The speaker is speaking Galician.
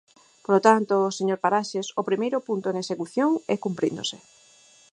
Polo tanto, señor Paraxes, o primeiro punto en execución e cumpríndose.